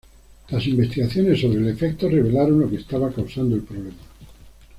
Las investigaciones sobre el efecto revelaron lo que estaba causando el problema.